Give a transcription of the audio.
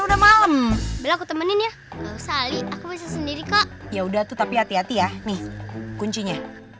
udah malem aku temenin ya aku bisa sendiri kok ya udah tapi hati hati ya nih kuncinya